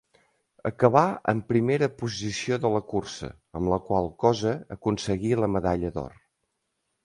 Acabà en primera posició de la cursa, amb la qual cosa aconseguí la medalla d'or.